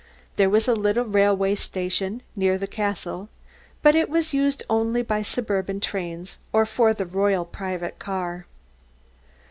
There was a little railway station near the castle, but it was used only by suburban trains or for the royal private car.